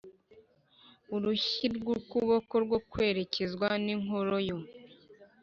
Urushyi rw ukuboko rwo kwererezwa n inkoro yo